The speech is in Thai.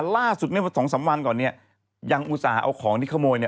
ล่าสุด๒๓วันก่อนยังอุตส่าห์เอาของที่ขโมย